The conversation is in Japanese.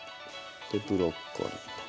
でブロッコリーと。